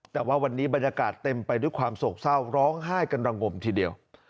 แต่ว่าวันนี้บรรยากาศเต็มไปด้วยความโศกเศร้าร้องไห้กันระงมทีเดียว